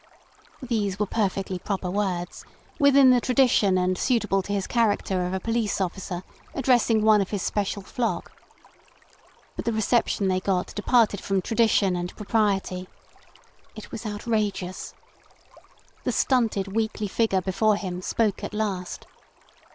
Those were perfectly proper words, within the tradition and suitable to his character of a police officer addressing one of his special flock. But the reception they got departed from tradition and propriety. It was outrageous. The stunted, weakly figure before him spoke at last.